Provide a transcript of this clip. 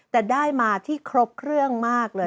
แต่ได้มาที่ครบเครื่องมากเลย